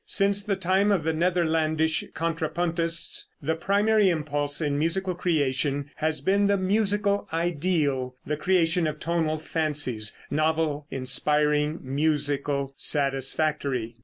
Since the time of the Netherlandish contrapuntists, the primary impulse in musical creation has been the musical ideal the creation of tonal fancies, novel, inspiring, musical, satisfactory.